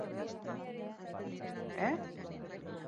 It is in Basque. Gaur benetan eguraldi makurra egiten du.